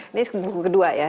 ini buku kedua ya